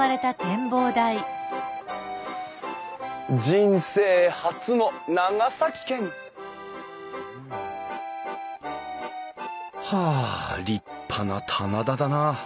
人生初の長崎県！はあ立派な棚田だな。